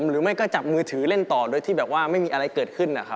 หรือไม่ก็จับมือถือเล่นต่อโดยที่แบบว่าไม่มีอะไรเกิดขึ้นนะครับ